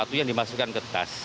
itu yang dimasukkan ke tas